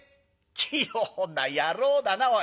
「器用な野郎だなおい。